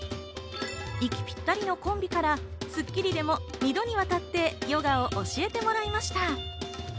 息ぴったりのコンビから『スッキリ』でも二度にわたってヨガを教えてもらいました。